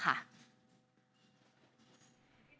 เราโดน